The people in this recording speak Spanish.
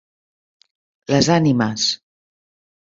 Las Animas.